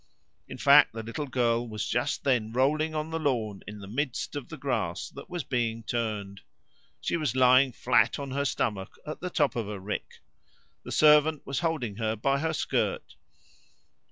In fact, the little girl was just then rolling on the lawn in the midst of the grass that was being turned. She was lying flat on her stomach at the top of a rick. The servant was holding her by her skirt.